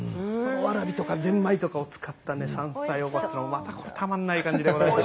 わらびとかぜんまいとかを使ったね山菜おこわっつうのまたこれたまんない感じでございまして。